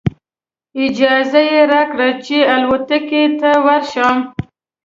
اجازه یې راکړه چې الوتکې ته ورشم.